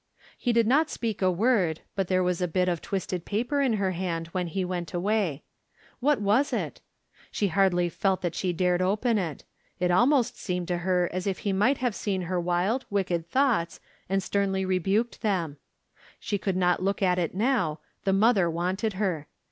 He did not speak a word, but there was a bit of twisted paper in her hand when he went away. What was it? She hardly felt that she dared open it ; it almost seemed to her as if he might From Different Standpoints. 201 have seen her wild, wicked thoughts and sternly rebuked them. She could not look at it now, the mother wanted her.